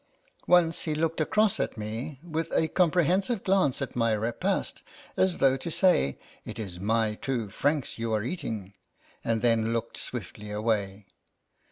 Once he looked across at me, with a comprehensive glance at my repast, as though to say, " It is my two francs you are eating," and then looked swiftly away.